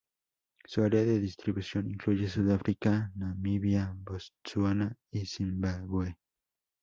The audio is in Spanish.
Su área de distribución incluye Sudáfrica, Namibia, Botsuana y Zimbabue.